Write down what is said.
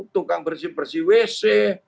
tukang bersih bersih wc